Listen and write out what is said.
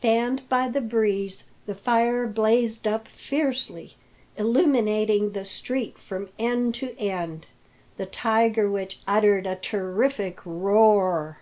Fanned by the breeze, the fire blazed up fiercely, illuminating the street from end to end. The tiger witch uttered a terrific roar.